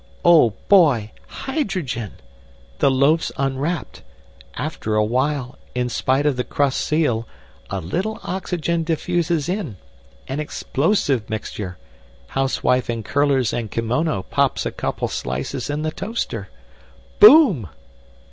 "Oh, boy hydrogen! The loaf's unwrapped. After a while, in spite of the crust seal, a little oxygen diffuses in. An explosive mixture. Housewife in curlers and kimono pops a couple slices in the toaster. Boom!"